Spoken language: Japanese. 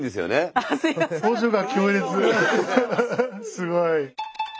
すごい。